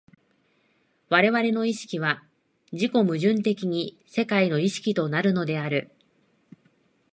我々の意識は自己矛盾的に世界の意識となるのである。